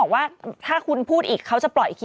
เมื่อ